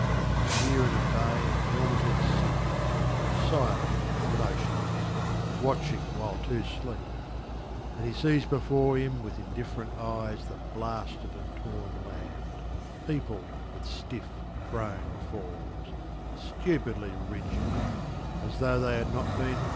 Here in a bay, a helmeted sentry Silent and motionless, watching while two sleep, And he sees before him With indifferent eyes the blasted and torn land Peopled with stiff prone forms, stupidly rigid, As tho' they had not been men.